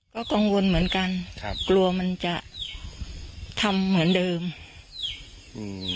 ก็กังวลเหมือนกันครับกลัวมันจะทำเหมือนเดิมอืม